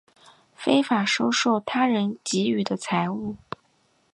非法收受他人给予的财物